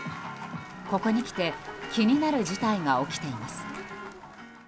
ここに来て気になる事態が起きています。